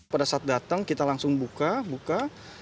pada saat datang kita langsung buka buka